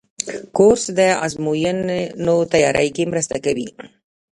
کورس د ازموینو تیاري کې مرسته کوي.